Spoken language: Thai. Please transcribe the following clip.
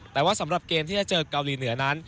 แต่ว่าสำหรับเกมที่จะเจอเกาหลีเหนือนั้น